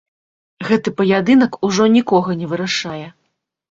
Гэты паядынак ужо нікога не вырашае.